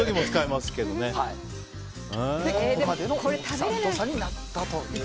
ここまでの太さになったと。